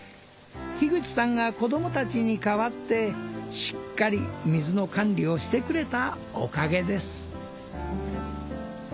樋口さんが子供たちに代わってしっかり水の管理をしてくれたおかげです。